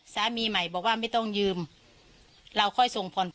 สามีใหม่บอกว่าไม่ต้องยืมเราค่อยส่งผ่อน